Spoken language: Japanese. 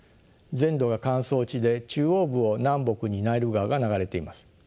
全土が乾燥地で中央部を南北にナイル川が流れています。